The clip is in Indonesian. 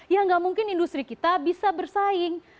ya nggak mungkin industri kita bisa bersaing